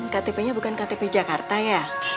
ktpnya bukan ktp jakarta ya